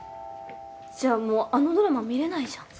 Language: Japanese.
じゃあもうあのドラマ見れないじゃん。